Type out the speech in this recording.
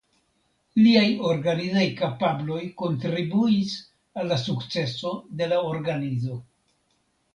Liaj organizaj kapabloj kontribuis al la sukceso de la organizo.